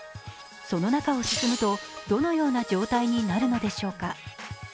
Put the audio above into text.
その中を進むとどのような状態になるのでしょうか。